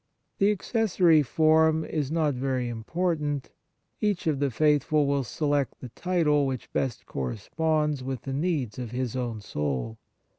The accessory form is not very important ; each of the faithful will select the title which best corresponds with the needs of his own soul.